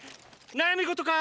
悩み事か？